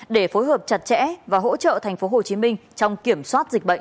để phối hợp chặt chẽ và hỗ trợ thành phố hồ chí minh trong kiểm soát dịch bệnh